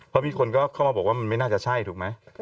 เพราะมีคนก็เข้ามาบอกว่ามันไม่น่าจะใช่ถูกไหม